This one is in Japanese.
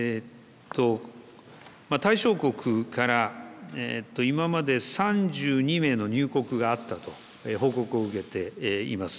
対象国から今まで３２名の入国があったと報告を受けています。